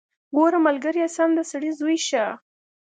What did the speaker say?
ګوره ملګريه سم د سړي زوى شه.